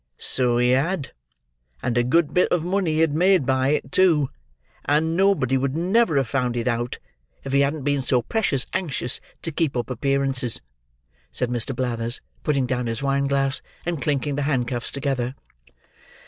So he had; and a good bit of money he had made by it, too; and nobody would never have found it out, if he hadn't been so precious anxious to keep up appearances!" said Mr. Blathers, putting down his wine glass, and clinking the handcuffs together.